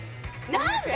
何で？